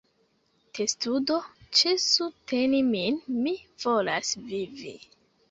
Testudo: "Ĉesu teni min! Mi volas vivi!"